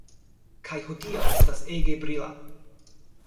Kaj hodiaŭ estas ege brila